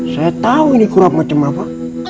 saya tahu ini kurang macam apa